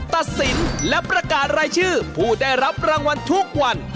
ตัดสินและประกาศรายชื่อผู้ได้รับรางวัลทุกวัน